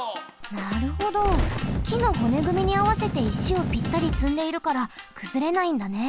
なるほどきのほねぐみにあわせて石をぴったりつんでいるからくずれないんだね。